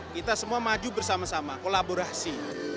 kita semua maju bersama sama kolaborasi